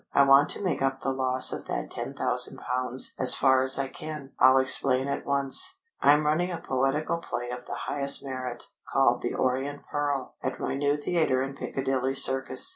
I want to make up the loss of that ten thousand pounds as far as I can. I'll explain at once. I'm running a poetical play of the highest merit, called 'The Orient Pearl,' at my new theatre in Piccadilly Circus.